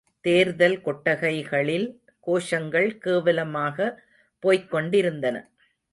தேர்தல் கொட்டகைகளில், கோஷங்கள் கேவலமாக போய்க் கொண்டிருந்தன.